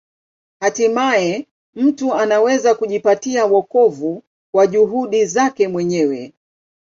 Hatimaye mtu anaweza kujipatia wokovu kwa juhudi zake mwenyewe.